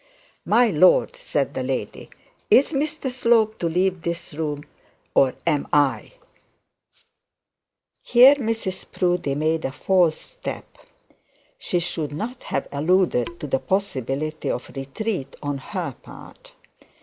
'My lord,' said the lady, 'is Mr Slope to leave this room, or am I?' Here Mrs Proudie made a false step. She should not have alluded to the possibility of retreat on her part.